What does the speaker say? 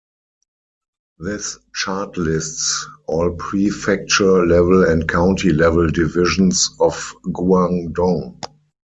This chart lists all prefecture-level and county-level divisions of Guangdong.